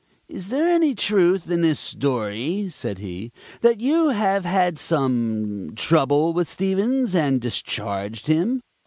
"Is there any truth in this story," said he, "that you have had some trouble with Stevens, and discharged him?"